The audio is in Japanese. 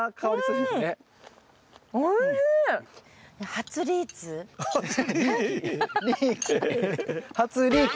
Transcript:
初リーキ。